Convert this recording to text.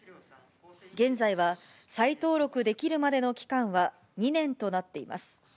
現在は再登録できるまでの期間は２年となっています。